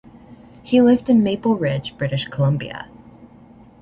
He lived in Maple Ridge, British Columbia.